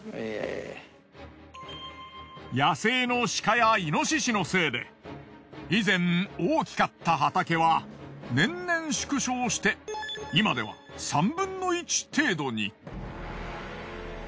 野生の鹿やイノシシのせいで以前大きかった畑は年々縮小して今では３分の１程度に。